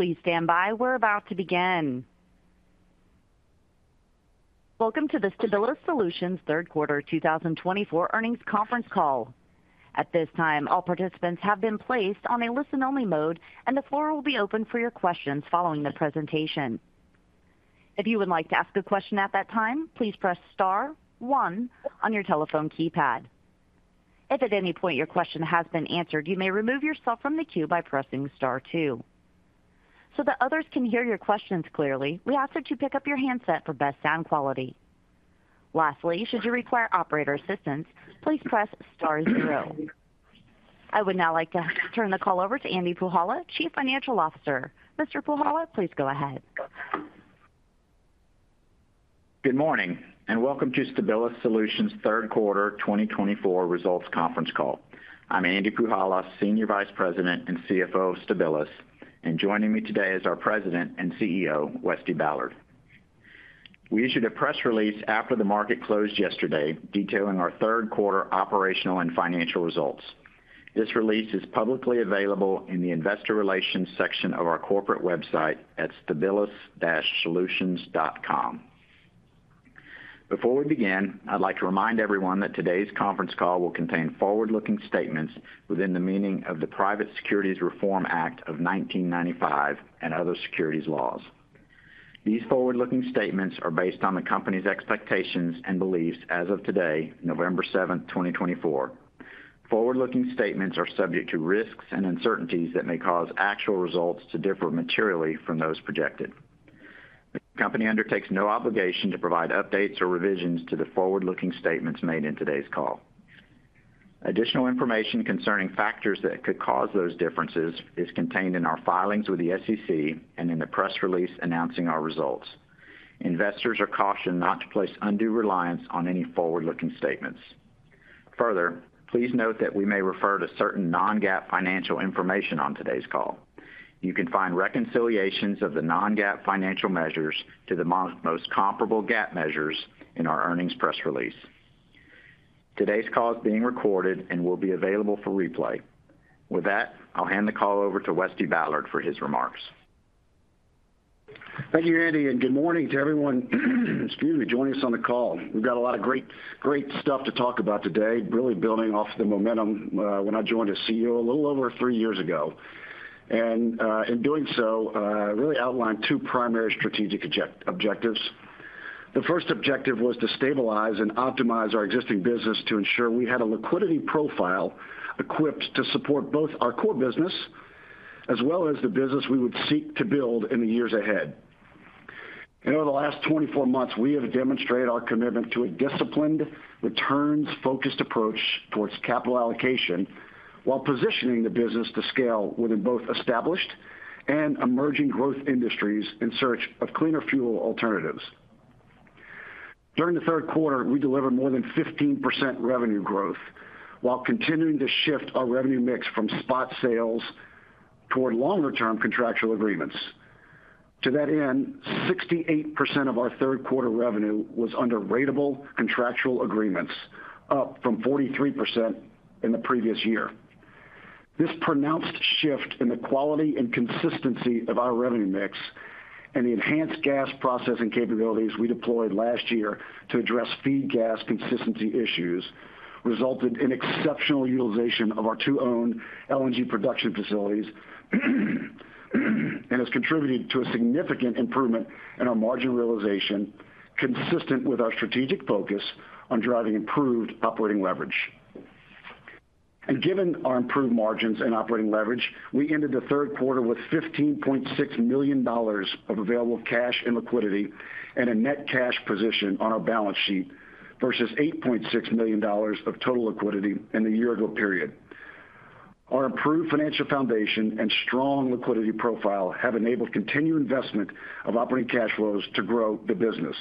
Please stand by. We're about to begin. Welcome to the Stabilis Solutions Q3 2024 earnings conference call. At this time, all participants have been placed on a listen-only mode, and the floor will be open for your questions following the presentation. If you would like to ask a question at that time, please press star one on your telephone keypad. If at any point your question has been answered, you may remove yourself from the queue by pressing star two. So that others can hear your questions clearly, we ask that you pick up your handset for best sound quality. Lastly, should you require operator assistance, please press star zero. I would now like to turn the call over to Andy Puhala, Chief Financial Officer. Mr. Puhala, please go ahead. Good morning and welcome to Stabilis Solutions Q3 2024 results conference call. I'm Andy Puhala, Senior Vice President and CFO of Stabilis, and joining me today is our President and CEO, Westy Ballard. We issued a press release after the market closed yesterday detailing our Q3 operational and financial results. This release is publicly available in the Investor Relations section of our corporate website at stabilis-solutions.com. Before we begin, I'd like to remind everyone that today's conference call will contain forward-looking statements within the meaning of the Private Securities Litigation Reform Act of 1995 and other securities laws. These forward-looking statements are based on the company's expectations and beliefs as of today, November 7, 2024. Forward-looking statements are subject to risks and uncertainties that may cause actual results to differ materially from those projected. The company undertakes no obligation to provide updates or revisions to the forward-looking statements made in today's call. Additional information concerning factors that could cause those differences is contained in our filings with the SEC and in the press release announcing our results. Investors are cautioned not to place undue reliance on any forward-looking statements. Further, please note that we may refer to certain non-GAAP financial information on today's call. You can find reconciliations of the non-GAAP financial measures to the most comparable GAAP measures in our earnings press release. Today's call is being recorded and will be available for replay. With that, I'll hand the call over to Westy Ballard for his remarks. Thank you, Andy, and good morning to everyone joining us on the call. We've got a lot of great stuff to talk about today, really building off the momentum when I joined as CEO a little over three years ago. In doing so, I really outlined two primary strategic objectives. The first objective was to stabilize and optimize our existing business to ensure we had a liquidity profile equipped to support both our core business as well as the business we would seek to build in the years ahead. Over the last 24 months, we have demonstrated our commitment to a disciplined, returns-focused approach towards capital allocation while positioning the business to scale within both established and emerging growth industries in search of cleaner fuel alternatives. During the Q3, we delivered more than 15% revenue growth while continuing to shift our revenue mix from spot sales toward longer-term contractual agreements. To that end, 68% of our Q3 revenue was under ratable contractual agreements, up from 43% in the previous year. This pronounced shift in the quality and consistency of our revenue mix and the enhanced gas processing capabilities we deployed last year to address feed gas consistency issues resulted in exceptional utilization of our two-owned LNG production facilities and has contributed to a significant improvement in our margin realization, consistent with our strategic focus on driving improved operating leverage. Given our improved margins and operating leverage, we ended the Q3 with $15.6 million of available cash and liquidity and a net cash position on our balance sheet versus $8.6 million of total liquidity in the year-ago period. Our improved financial foundation and strong liquidity profile have enabled continued investment of operating cash flows to grow the business.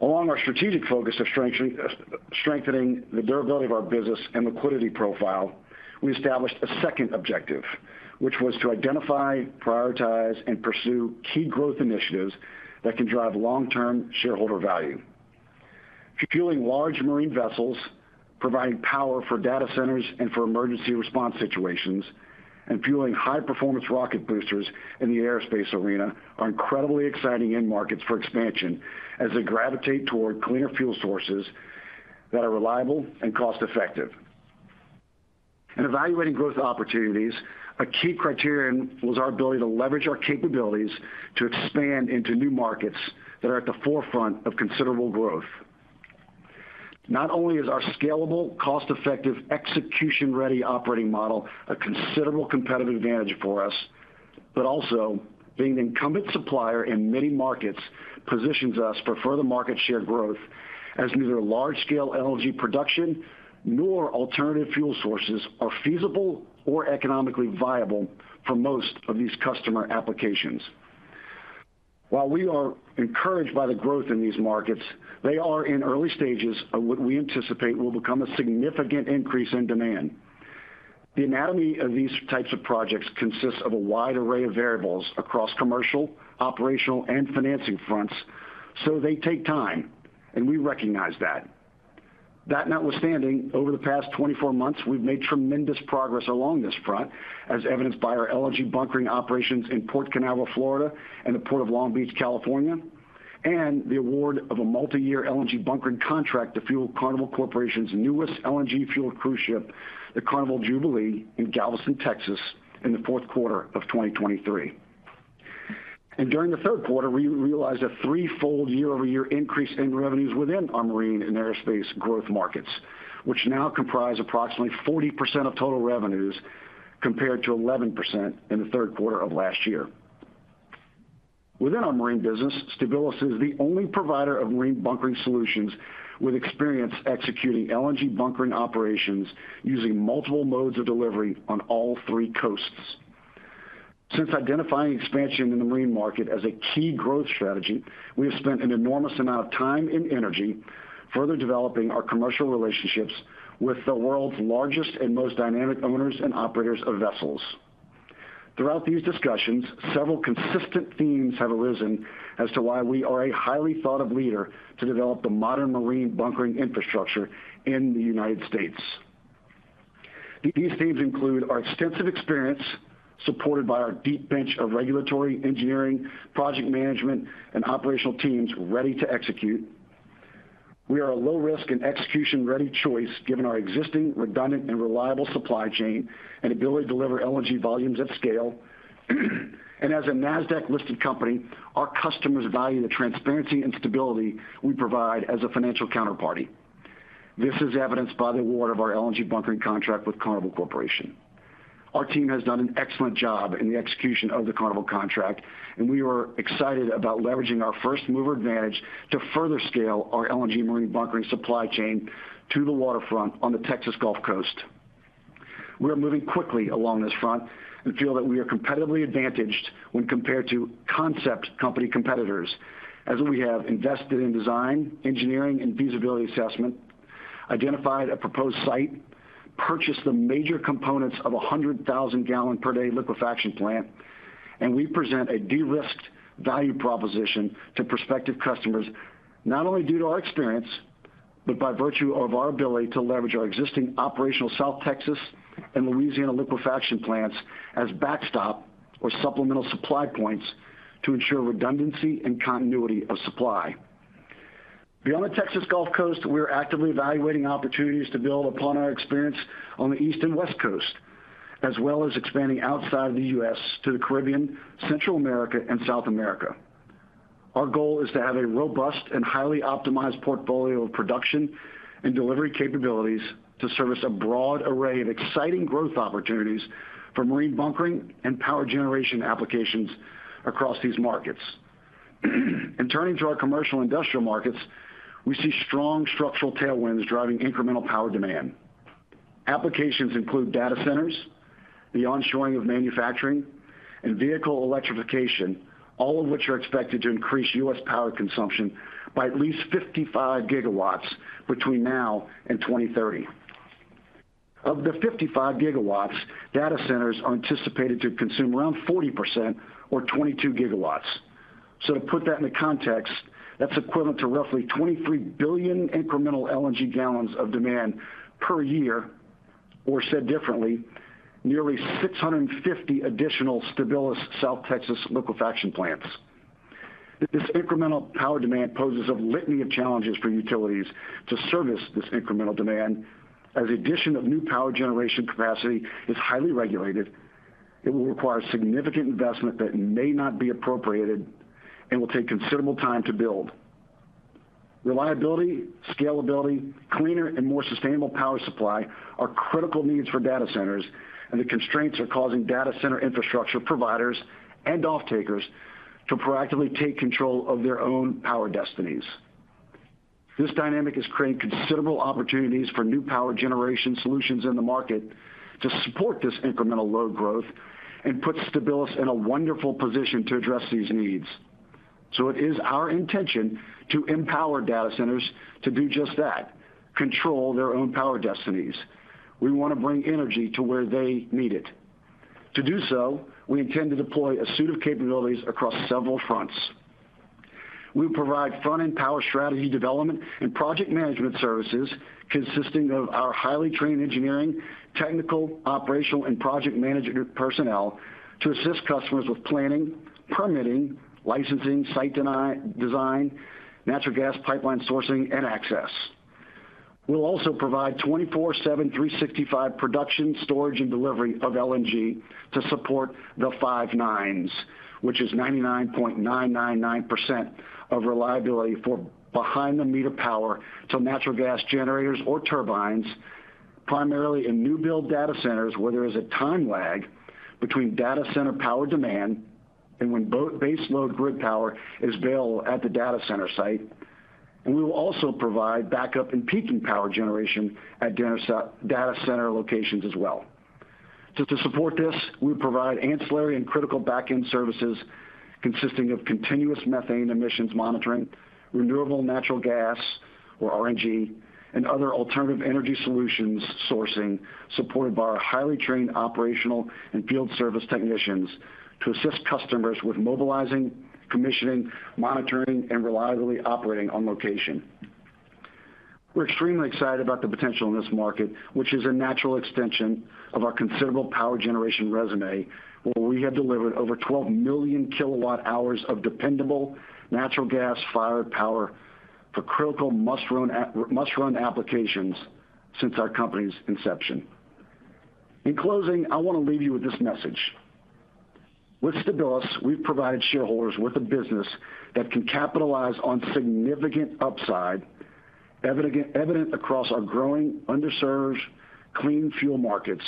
Along our strategic focus of strengthening the durability of our business and liquidity profile, we established a second objective, which was to identify, prioritize, and pursue key growth initiatives that can drive long-term shareholder value. Fueling large marine vessels, providing power for data centers and for emergency response situations, and fueling high-performance rocket boosters in the aerospace arena are incredibly exciting end markets for expansion as they gravitate toward cleaner fuel sources that are reliable and cost-effective. In evaluating growth opportunities, a key criterion was our ability to leverage our capabilities to expand into new markets that are at the forefront of considerable growth. Not only is our scalable, cost-effective, execution-ready operating model a considerable competitive advantage for us, but also being the incumbent supplier in many markets positions us for further market share growth as neither large-scale LNG production nor alternative fuel sources are feasible or economically viable for most of these customer applications. While we are encouraged by the growth in these markets, they are in early stages of what we anticipate will become a significant increase in demand. The anatomy of these types of projects consists of a wide array of variables across commercial, operational, and financing fronts, so they take time, and we recognize that. That notwithstanding, over the past 24 months, we've made tremendous progress along this front, as evidenced by our LNG bunkering operations in Port Canaveral, Florida, and the Port of Long Beach, California, and the award of a multi-year LNG bunkering contract to fuel Carnival Corporation's newest LNG-fueled cruise ship, the Carnival Jubilee, in Galveston, Texas, in the Q4 of 2023. During the Q3, we realized a threefold year-over-year increase in revenues within our marine and aerospace growth markets, which now comprise approximately 40% of total revenues compared to 11% in the Q3 of last year. Within our marine business, Stabilis is the only provider of marine bunkering solutions with experience executing LNG bunkering operations using multiple modes of delivery on all three coasts. Since identifying expansion in the marine market as a key growth strategy, we have spent an enormous amount of time and energy further developing our commercial relationships with the world's largest and most dynamic owners and operators of vessels. Throughout these discussions, several consistent themes have arisen as to why we are a highly thought-of leader to develop the modern marine bunkering infrastructure in the United States. These themes include our extensive experience supported by our deep bench of regulatory, engineering, project management, and operational teams ready to execute. We are a low-risk and execution-ready choice given our existing, redundant, and reliable supply chain and ability to deliver LNG volumes at scale. As a Nasdaq-listed company, our customers value the transparency and stability we provide as a financial counterparty. This is evidenced by the award of our LNG bunkering contract with Carnival Corporation. Our team has done an excellent job in the execution of the Carnival contract, and we are excited about leveraging our first-mover advantage to further scale our LNG marine bunkering supply chain to the waterfront on the Texas Gulf Coast. We are moving quickly along this front and feel that we are competitively advantaged when compared to concept company competitors, as we have invested in design, engineering, and feasibility assessment, identified a proposed site, purchased the major components of a 100,000-gal-per-day liquefaction plant, and we present a de-risked value proposition to prospective customers not only due to our experience but by virtue of our ability to leverage our existing operational South Texas and Louisiana liquefaction plants as backstop or supplemental supply points to ensure redundancy and continuity of supply. Beyond the Texas Gulf Coast, we are actively evaluating opportunities to build upon our experience on the East and West Coast, as well as expanding outside of the U.S. to the Caribbean, Central America, and South America. Our goal is to have a robust and highly optimized portfolio of production and delivery capabilities to service a broad array of exciting growth opportunities for marine bunkering and power generation applications across these markets. In turning to our commercial industrial markets, we see strong structural tailwinds driving incremental power demand. Applications include data centers, the onshoring of manufacturing, and vehicle electrification, all of which are expected to increase U.S. power consumption by at least 55 GW between now and 2030. Of the 55 GW, data centers are anticipated to consume around 40% or 22 GW. To put that into context, that's equivalent to roughly 23 billion incremental LNG gallons of demand per year, or said differently, nearly 650 additional Stabilis South Texas liquefaction plants. This incremental power demand poses a litany of challenges for utilities to service this incremental demand, as the addition of new power generation capacity is highly regulated. It will require significant investment that may not be appropriated and will take considerable time to build. Reliability, scalability, cleaner, and more sustainable power supply are critical needs for data centers, and the constraints are causing data center infrastructure providers and off-takers to proactively take control of their own power destinies. This dynamic is creating considerable opportunities for new power generation solutions in the market to support this incremental load growth and put Stabilis in a wonderful position to address these needs. It is our intention to empower data centers to do just that: control their own power destinies. We want to bring energy to where they need it. To do so, we intend to deploy a suite of capabilities across several fronts. We will provide front-end power strategy development and project management services consisting of our highly trained engineering, technical, operational, and project management personnel to assist customers with planning, permitting, licensing, site design, natural gas pipeline sourcing, and access. We'll also provide 24/7, 365 production storage and delivery of LNG to support the five nines, which is 99.999% of reliability for behind-the-meter power to natural gas generators or turbines, primarily in new-build data centers where there is a time lag between data center power demand and when base load grid power is available at the data center site. We will also provide backup and peaking power generation at data center locations as well. To support this, we provide ancillary and critical back-end services consisting of continuous methane emissions monitoring, renewable natural gas, or RNG, and other alternative energy solutions sourcing supported by our highly trained operational and field service technicians to assist customers with mobilizing, commissioning, monitoring, and reliably operating on location. We're extremely excited about the potential in this market, which is a natural extension of our considerable power generation resume, where we have delivered over 12 million kWh of dependable natural gas-fired power for critical mission applications since our company's inception. In closing, I want to leave you with this message. With Stabilis, we've provided shareholders with a business that can capitalize on significant upside, evident across our growing, underserved, clean fuel markets,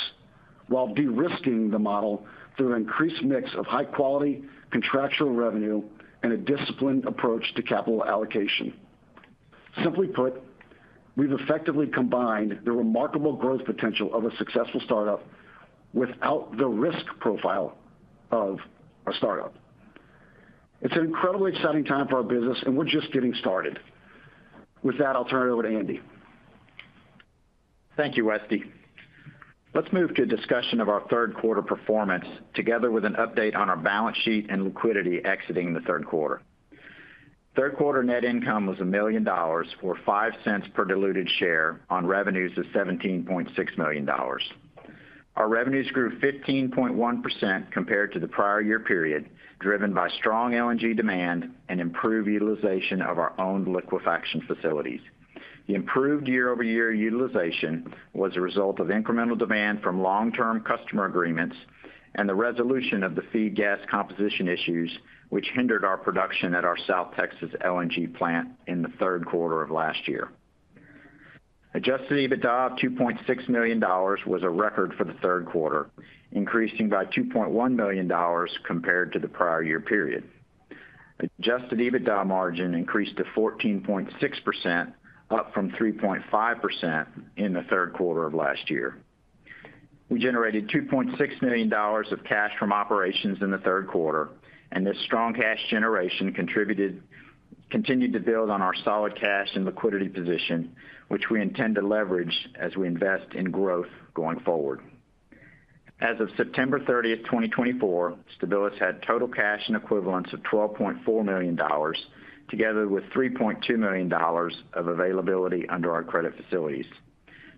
while de-risking the model through an increased mix of high-quality contractual revenue and a disciplined approach to capital allocation. Simply put, we've effectively combined the remarkable growth potential of a successful startup without the risk profile of a startup. It's an incredibly exciting time for our business, and we're just getting started. With that, I'll turn it over to Andy. Thank you, Westy. Let's move to a discussion of our Q3 performance together with an update on our balance sheet and liquidity exiting the Q3. Q3 net income was $1 million or $0.05 per diluted share on revenues of $17.6 million. Our revenues grew 15.1% compared to the prior year period, driven by strong LNG demand and improved utilization of our own liquefaction facilities. The improved year-over-year utilization was a result of incremental demand from long-term customer agreements and the resolution of the feed gas composition issues, which hindered our production at our South Texas LNG plant in the Q3 of last year. Adjusted EBITDA of $2.6 million was a record for the Q3, increasing by $2.1 million compared to the prior year period. Adjusted EBITDA margin increased to 14.6%, up from 3.5% in the Q3 of last year. We generated $2.6 million of cash from operations in the Q3, and this strong cash generation continued to build on our solid cash and liquidity position, which we intend to leverage as we invest in growth going forward. As of September 30, 2024, Stabilis had total cash and equivalents of $12.4 million, together with $3.2 million of availability under our credit facilities.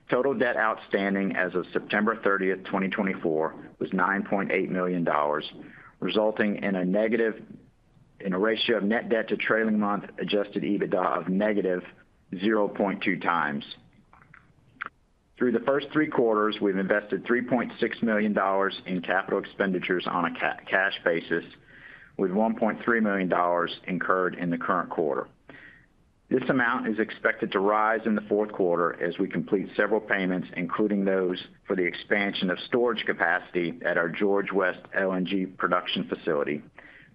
Total debt outstanding as of September 30, 2024, was $9.8 million, resulting in a ratio of net debt to trailing 12 month Adjusted EBITDA of -0.2 times. Through the first three quarters, we've invested $3.6 million in capital expenditures on a cash basis, with $1.3 million incurred in the current quarter. This amount is expected to rise in the Q4 as we complete several payments, including those for the expansion of storage capacity at our George West LNG production facility,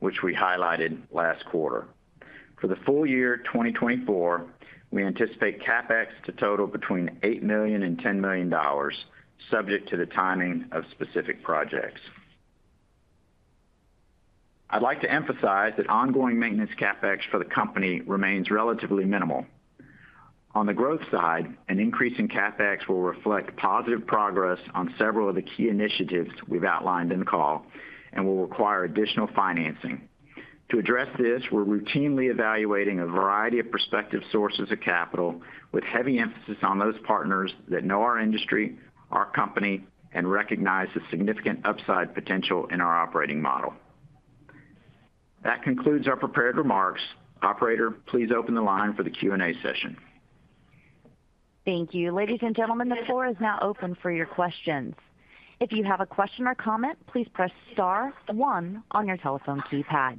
which we highlighted last quarter. For the full year 2024, we anticipate CapEx to total between $8 million and $10 million, subject to the timing of specific projects. I'd like to emphasize that ongoing maintenance CapEx for the company remains relatively minimal. On the growth side, an increase in CapEx will reflect positive progress on several of the key initiatives we've outlined in call and will require additional financing. To address this, we're routinely evaluating a variety of prospective sources of capital, with heavy emphasis on those partners that know our industry, our company, and recognize the significant upside potential in our operating model. That concludes our prepared remarks. Operator, please open the line for the Q&A session. Thank you. Ladies and gentlemen, the floor is now open for your questions. If you have a question or comment, please press star one on your telephone keypad.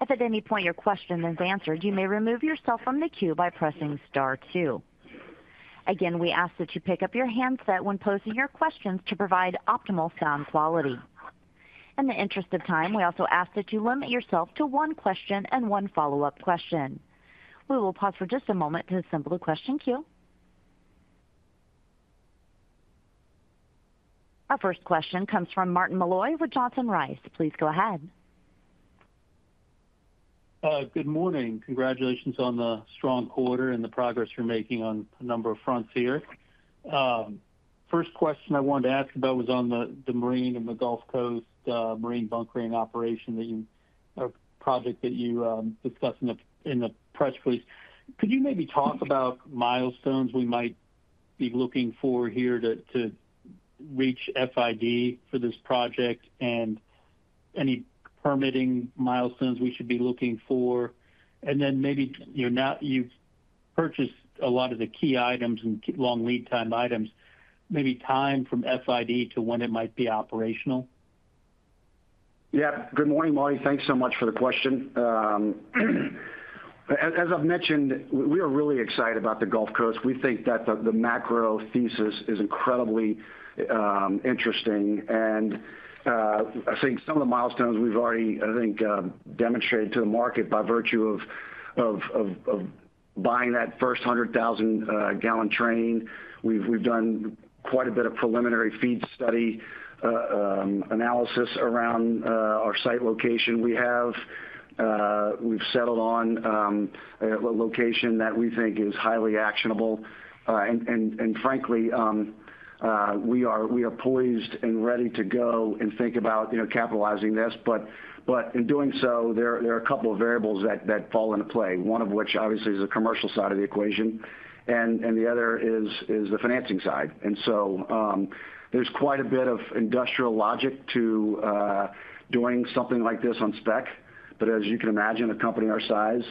If at any point your question is answered, you may remove yourself from the queue by pressing star two. Again, we ask that you pick up your handset when posing your questions to provide optimal sound quality. In the interest of time, we also ask that you limit yourself to one question and one follow-up question. We will pause for just a moment to assemble the question queue. Our first question comes from Martin Malloy with Johnson Rice. Please go ahead. Good morning. Congratulations on the strong quarter and the progress you're making on a number of fronts here. First question I wanted to ask about was on the marine and the Gulf Coast marine bunkering operation project that you discussed in the press release. Could you maybe talk about milestones we might be looking for here to reach FID for this project and any permitting milestones we should be looking for? And then maybe you've purchased a lot of the key items and long lead time items. Maybe time from FID to when it might be operational? Yeah. Good morning, Martin. Thanks so much for the question. As I've mentioned, we are really excited about the Gulf Coast. We think that the macro thesis is incredibly interesting. And I think some of the milestones we've already, I think, demonstrated to the market by virtue of buying that first 100,000 gal train. We've done quite a bit of preliminary FEED study analysis around our site location. We've settled on a location that we think is highly actionable. And frankly, we are poised and ready to go and think about capitalizing this. But in doing so, there are a couple of variables that fall into play, one of which obviously is the commercial side of the equation, and the other is the financing side. And so there's quite a bit of industrial logic to doing something like this on spec. But as you can imagine, a company our size,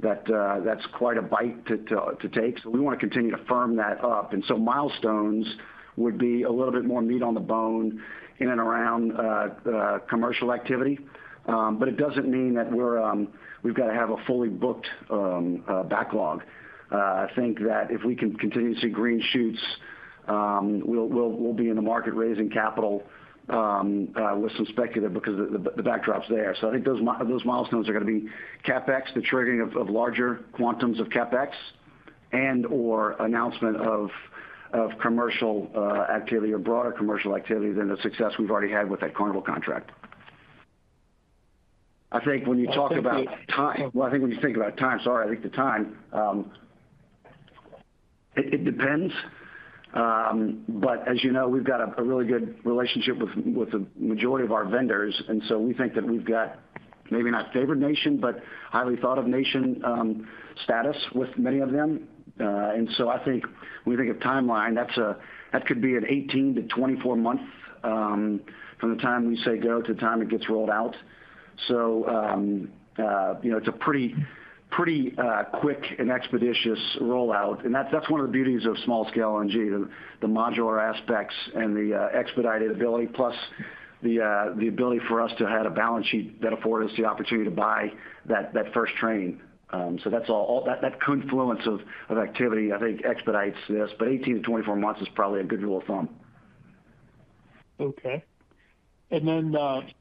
that's quite a bite to take. So we want to continue to firm that up. And so milestones would be a little bit more meat on the bone in and around commercial activity. But it doesn't mean that we've got to have a fully booked backlog. I think that if we can continue to see green shoots, we'll be in the market raising capital with some speculative because of the backdrops there. So I think those milestones are going to be CapEx, the triggering of larger quantums of CapEx, and/or announcement of commercial activity or broader commercial activity than the success we've already had with that Carnival contract. I think when you think about time, sorry, it depends. But as you know, we've got a really good relationship with the majority of our vendors. And so we think that we've got maybe not favored nation, but highly thought of nation status with many of them. And so I think when we think of timeline, that could be an 18-24 months from the time we say go to the time it gets rolled out. So it's a pretty quick and expeditious rollout. And that's one of the beauties of small-scale LNG, the modular aspects and the expedited ability, plus the ability for us to have a balance sheet that affords us the opportunity to buy that first train. So that confluence of activity, I think, expedites this. But 18-24 months is probably a good rule of thumb. Okay. And then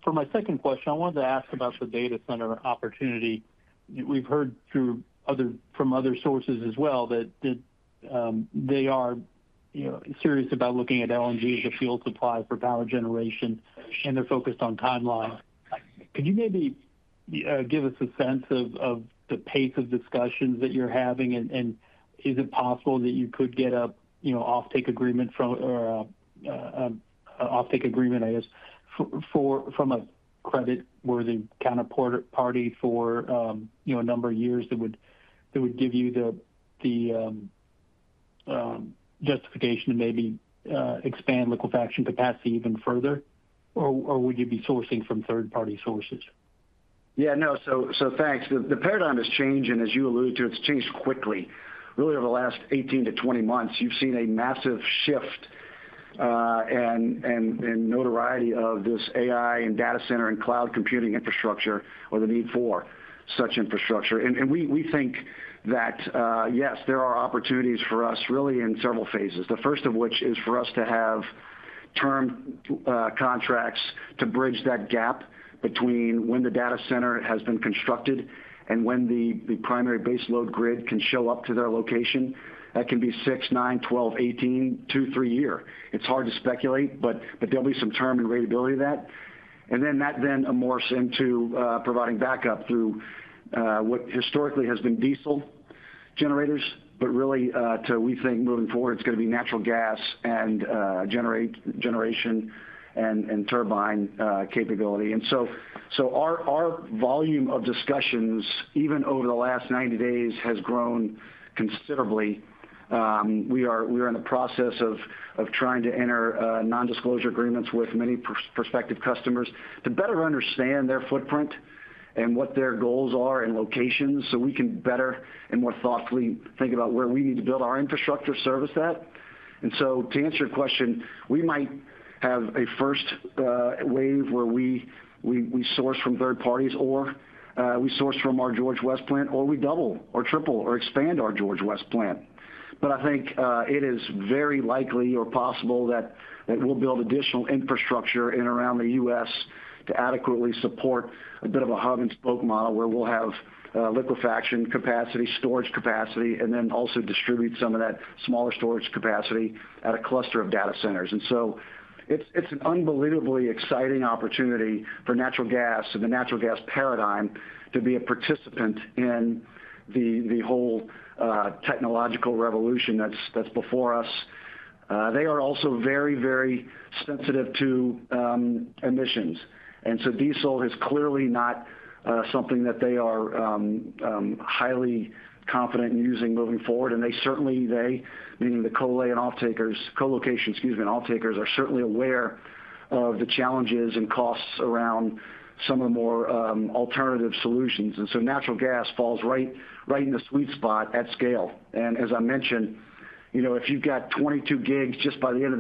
for my second question, I wanted to ask about the data center opportunity. We've heard from other sources as well that they are serious about looking at LNG as a fuel supply for power generation, and they're focused on timeline. Could you maybe give us a sense of the pace of discussions that you're having? And is it possible that you could get an off-take agreement, or an off-take agreement, I guess, from a creditworthy kind of party for a number of years that would give you the justification to maybe expand liquefaction capacity even further? Or would you be sourcing from third-party sources? Yeah. No. So thanks. The paradigm is changing, as you alluded to. It's changed quickly. Really, over the last 18 to 20 months, you've seen a massive shift and notoriety of this AI and data center and cloud computing infrastructure or the need for such infrastructure. And we think that, yes, there are opportunities for us really in several phases, the first of which is for us to have term contracts to bridge that gap between when the data center has been constructed and when the primary base load grid can show up to their location. That can be six, nine, 12, 18, two, three years. It's hard to speculate, but there'll be some term and reliability of that. And then that morphs into providing backup through what historically has been diesel generators, but really, we think moving forward, it's going to be natural gas and generation and turbine capability. And so our volume of discussions, even over the last 90 days, has grown considerably. We are in the process of trying to enter non-disclosure agreements with many prospective customers to better understand their footprint and what their goals are and locations so we can better and more thoughtfully think about where we need to build our infrastructure service at. And so to answer your question, we might have a first wave where we source from third parties or we source from our George West plant, or we double or triple or expand our George West plant. But I think it is very likely or possible that we'll build additional infrastructure in and around the U.S. to adequately support a bit of a hub-and-spoke model where we'll have liquefaction capacity, storage capacity, and then also distribute some of that smaller storage capacity at a cluster of data centers. And so it's an unbelievably exciting opportunity for natural gas and the natural gas paradigm to be a participant in the whole technological revolution that's before us. They are also very, very sensitive to emissions. And so diesel is clearly not something that they are highly confident in using moving forward. And they certainly, they, meaning the colo and off-takers, co-location, excuse me, and off-takers are certainly aware of the challenges and costs around some of the more alternative solutions. And so natural gas falls right in the sweet spot at scale. As I mentioned, if you've got 22 gigs just by the end of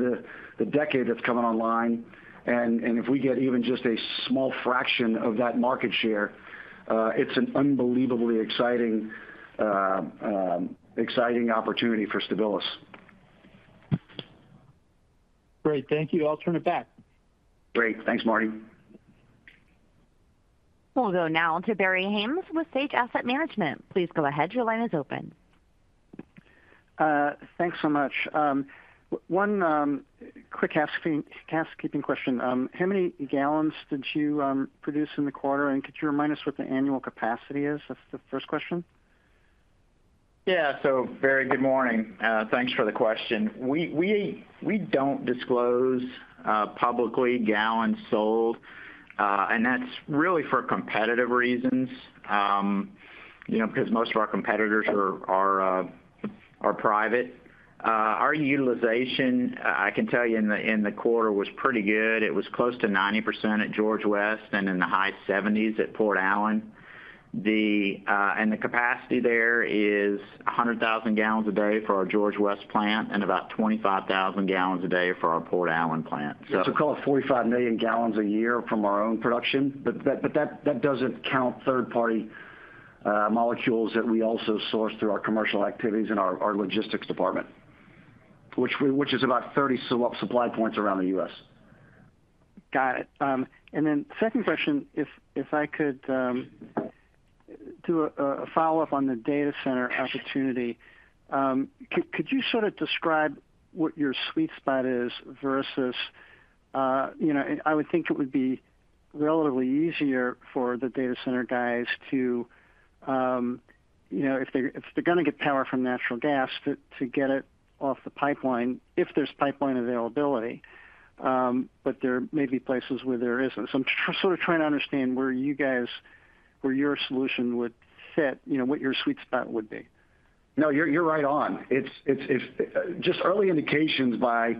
the decade that's coming online, and if we get even just a small fraction of that market share, it's an unbelievably exciting opportunity for Stabilis. Great. Thank you. I'll turn it back. Great. Thanks, Marty. We'll go now to Barry Haimes with Sage Asset Management. Please go ahead. Your line is open. Thanks so much. One quick housekeeping question. How many gallons did you produce in the quarter? And could you remind us what the annual capacity is? That's the first question. Yeah. So Barry, good morning. Thanks for the question. We don't disclose publicly gallons sold. And that's really for competitive reasons because most of our competitors are private. Our utilization, I can tell you, in the quarter was pretty good. It was close to 90% at George West and in the high 70s at Port Allen. And the capacity there is 100,000 gal a day for our George West plant and about 25,000 gal a day for our Port Allen plant. So call it 45 million gal a year from our own production. But that doesn't count third-party molecules that we also source through our commercial activities and our logistics department, which is about 30 supply points around the U.S. Got it, and then second question, if I could do a follow-up on the data center opportunity, could you sort of describe what your sweet spot is versus I would think it would be relatively easier for the data center guys to, if they're going to get power from natural gas, to get it off the pipeline if there's pipeline availability. But there may be places where there isn't. So I'm sort of trying to understand where you guys, where your solution would fit, what your sweet spot would be. No, you're right on. Just early indications by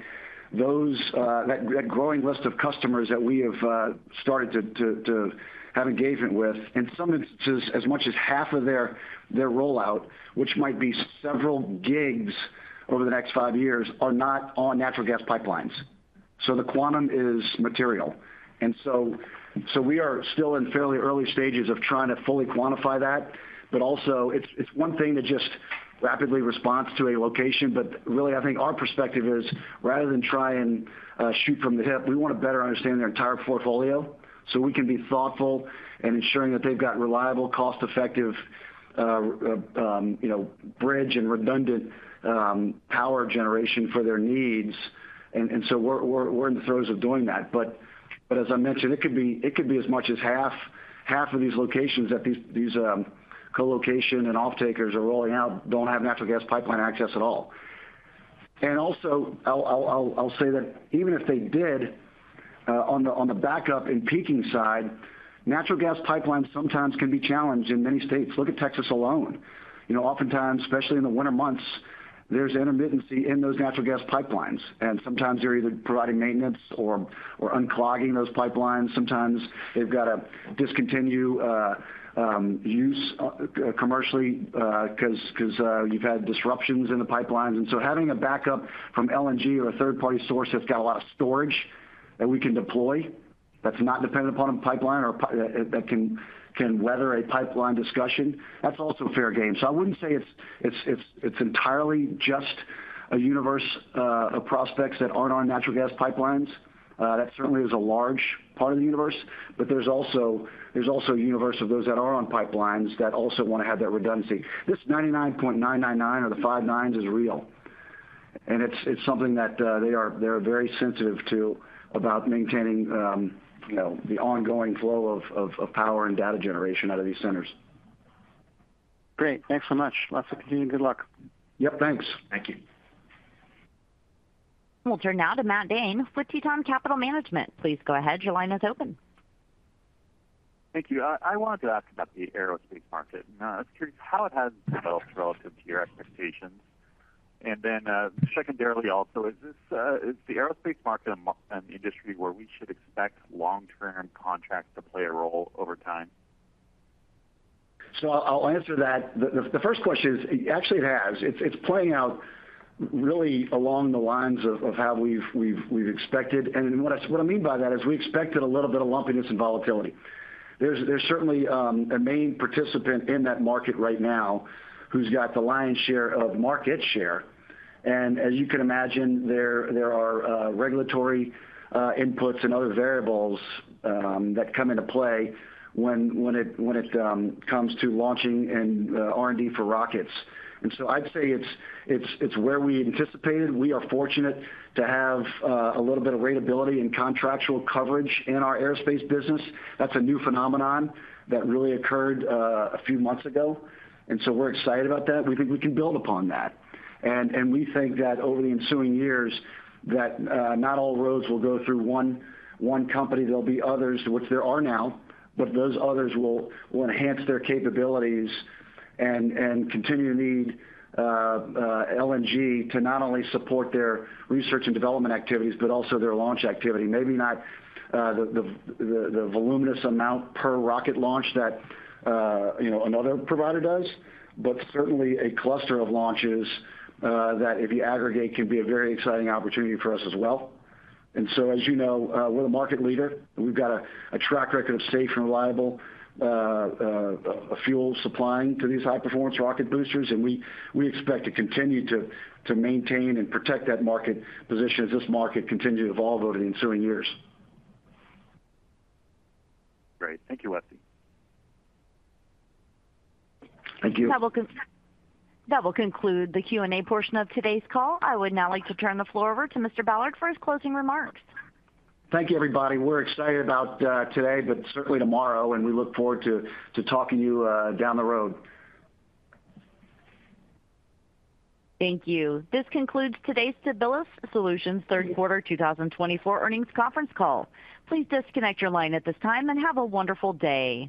that growing list of customers that we have started to have engagement with, in some instances, as much as half of their rollout, which might be several gigs over the next five years, are not on natural gas pipelines. So the quantum is material. And so we are still in fairly early stages of trying to fully quantify that. But also, it's one thing to just rapidly respond to a location. But really, I think our perspective is, rather than try and shoot from the hip, we want to better understand their entire portfolio so we can be thoughtful in ensuring that they've got reliable, cost-effective bridge and redundant power generation for their needs. And so we're in the throes of doing that. But as I mentioned, it could be as much as half of these locations that these co-location and off-takers are rolling out don't have natural gas pipeline access at all. And also, I'll say that even if they did, on the backup and peaking side, natural gas pipelines sometimes can be challenged in many states. Look at Texas alone. Oftentimes, especially in the winter months, there's intermittency in those natural gas pipelines. And sometimes they're either providing maintenance or unclogging those pipelines. Sometimes they've got to discontinue use commercially because you've had disruptions in the pipelines. And so having a backup from LNG or a third-party source that's got a lot of storage that we can deploy that's not dependent upon a pipeline or that can weather a pipeline discussion, that's also fair game. So I wouldn't say it's entirely just a universe of prospects that aren't on natural gas pipelines. That certainly is a large part of the universe. But there's also a universe of those that are on pipelines that also want to have that redundancy. This 99.999% or the five nines is real. And it's something that they are very sensitive to about maintaining the ongoing flow of power and data generation out of these centers. Great. Thanks so much. Lots of continued good luck. Yep. Thanks. Thank you. We'll turn now to Matt Dhane with Tieton Capital Management. Please go ahead. Your line is open. Thank you. I wanted to ask about the aerospace market. I was curious how it has developed relative to your expectations. And then secondarily, also, is the aerospace market an industry where we should expect long-term contracts to play a role over time? So I'll answer that. The first question is, actually, it has. It's playing out really along the lines of how we've expected. And what I mean by that is we expected a little bit of lumpiness and volatility. There's certainly a main participant in that market right now who's got the lion's share of market share. And as you can imagine, there are regulatory inputs and other variables that come into play when it comes to launching and R&D for rockets. And so I'd say it's where we anticipated. We are fortunate to have a little bit of readability and contractual coverage in our aerospace business. That's a new phenomenon that really occurred a few months ago. And so we're excited about that. We think we can build upon that. And we think that over the ensuing years, not all roads will go through one company. There'll be others, which there are now, but those others will enhance their capabilities and continue to need LNG to not only support their research and development activities, but also their launch activity. Maybe not the voluminous amount per rocket launch that another provider does, but certainly a cluster of launches that, if you aggregate, can be a very exciting opportunity for us as well. And so, as you know, we're the market leader. We've got a track record of safe and reliable fuel supplying to these high-performance rocket boosters. And we expect to continue to maintain and protect that market position as this market continues to evolve over the ensuing years. Great. Thank you, Westy. Thank you. That will conclude the Q&A portion of today's call. I would now like to turn the floor over to Mr. Ballard for his closing remarks. Thank you, everybody. We're excited about today, but certainly tomorrow, and we look forward to talking to you down the road. Thank you. This concludes today's Stabilis Solutions third quarter 2024 earnings conference call. Please disconnect your line at this time and have a wonderful day.